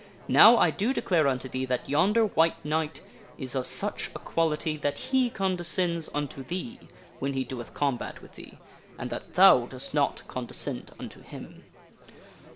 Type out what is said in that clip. Now I do declare unto thee that yonder White Knight is of such a quality that he condescends unto thee when he doeth combat with thee, and that thou dost not condescend unto him."